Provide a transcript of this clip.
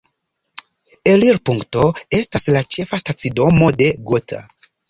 Elirpunkto estas la ĉefa stacidomo de Gotha.